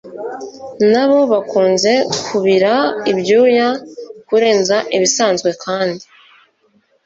na bo bakunze kubira ibyuya kurenza ibisanzwe kandi